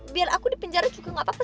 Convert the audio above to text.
biar aku dipenjara juga gak apa apa